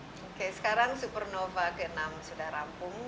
oke sekarang supernova ke enam sudah rampung